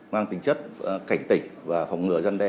mang tính chất cảnh tỉnh và phòng ngừa gian đe